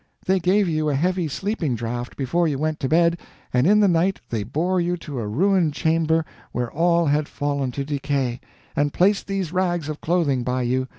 They gave you a heavy sleeping draught before you went to bed, and in the night they bore you to a ruined chamber where all had fallen to decay, and placed these rags of clothing by you.